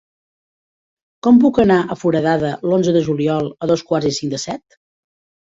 Com puc anar a Foradada l'onze de juliol a dos quarts i cinc de set?